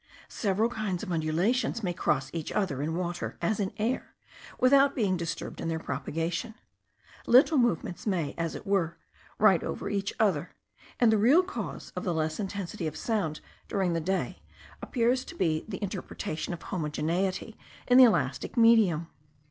Several kinds of undulations may cross each other in water, as in air, without being disturbed in their propagation: little movements may, as it were, ride over each other, and the real cause of the less intensity of sound during the day appears to be the interpretation of homogeneity in the elastic medium.